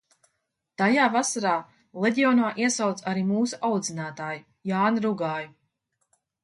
Tajā vasarā leģionā iesauca arī mūsu audzinātāju Jāni Rugāju.